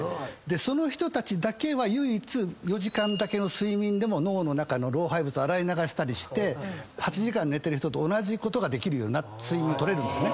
その人たちだけは唯一４時間だけの睡眠でも脳の中の老廃物洗い流したりして８時間寝てる人と同じことができるような睡眠を取れるんですね。